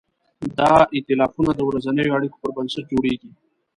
دا ایتلافونه د ورځنیو اړیکو پر بنسټ جوړېږي.